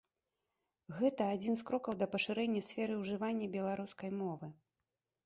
Гэта адзін з крокаў да пашырэння сферы ўжывання беларускай мовы.